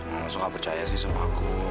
mas gak percaya sih sama aku